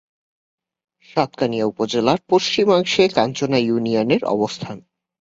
সাতকানিয়া উপজেলার পশ্চিমাংশে কাঞ্চনা ইউনিয়নের অবস্থান।